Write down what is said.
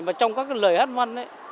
mà trong các cái lời hát văn ấy